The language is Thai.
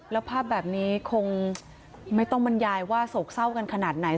แล้วภาพแบบนี้คงไม่ต้องบรรยายว่าโศกเศร้ากันขนาดไหน